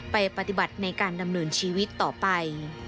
ไปปฏิบัติในการดำเนินชีวิตต่อไป